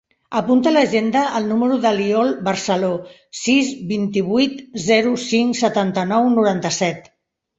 Apunta a l'agenda el número de l'Iol Barcelo: sis, vint-i-vuit, zero, cinc, setanta-nou, noranta-set.